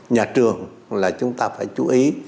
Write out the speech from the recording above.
nhà trường là chúng ta phải chú ý